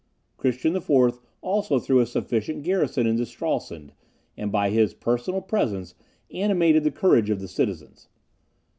Christian IV. also threw a sufficient garrison into Stralsund, and by his personal presence animated the courage of the citizens.